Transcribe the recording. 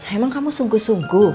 emang kamu sungguh sungguh